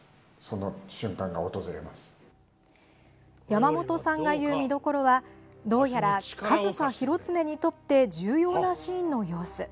山本さんが言う見どころはどうやら上総広常にとって重要なシーンの様子。